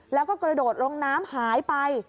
แล้วก็กระโดดลงน้ำหายไป